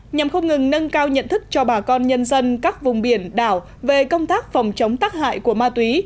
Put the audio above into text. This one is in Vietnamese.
nhằm không ngừng nâng cao nhận thức cho bà con nhân dân các vùng biển đảo về công tác phòng chống tắc hại của ma túy